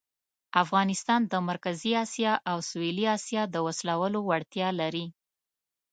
افغانستان د مرکزي آسیا او سویلي آسیا د وصلولو وړتیا لري.